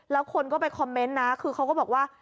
แล้วคนก็ไปคอมเมนต์นะคือเขาก็บอกว่า